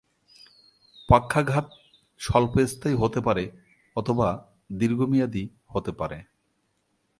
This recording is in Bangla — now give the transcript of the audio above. পক্ষাঘাত স্বল্পস্থায়ী হতে পারে অথবা দীর্ঘমেয়াদী হতে পারে।